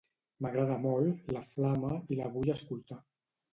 M'agrada molt "La flama" i la vull escoltar